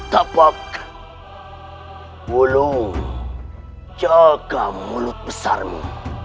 tapak bulu jaga mulut besarmu